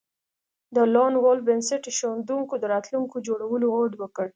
د لون وولف بنسټ ایښودونکو د راتلونکي جوړولو هوډ وکړ